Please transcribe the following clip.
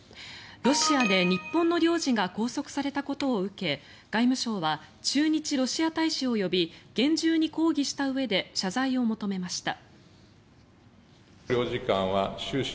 ロシアで日本の領事が拘束されたことを受け外務省は駐日ロシア大使を呼び厳重に抗議したうえで謝罪を求めました。